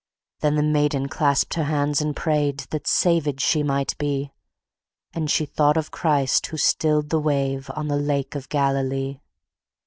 Then the maiden clasped her hands and prayed That saved she might be; And she thought of Christ, who stilled the wave, On the Lake of Galilee.